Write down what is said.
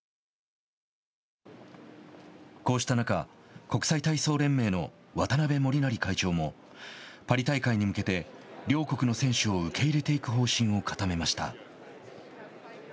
こうした中国際体操連盟の渡辺守成会長もパリ大会に向けて両国の選手を受け入れていく方針を固めました。